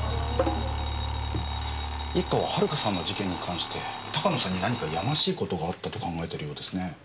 一課は遥さんの事件に関して鷹野さんに何かやましい事があったと考えてるようですねぇ。